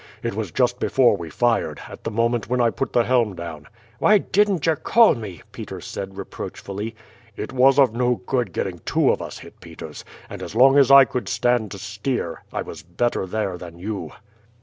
It was just before we fired, at the moment when I put the helm down." "Why didn't you call me?" Peters said reproachfully. "It was of no good getting two of us hit, Peters; and as long as I could stand to steer I was better there than you."